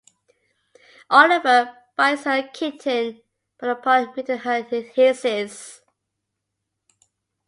Oliver buys her a kitten, but upon meeting her it hisses.